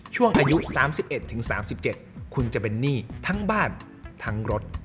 ช่วงอายุ๓๑๓๗คุณจะเป็นหนี้ทั้งบ้านทั้งรถ